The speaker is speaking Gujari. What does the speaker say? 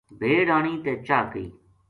بھیڈ آنی تے چاہ کئی۔